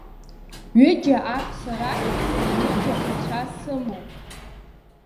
Ҩыџьа аҳәса рахьтә ҩыџьа аԥацәа сымоуп.